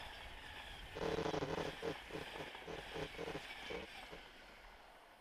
卵叶花佩菊为菊科花佩菊属下的一个种。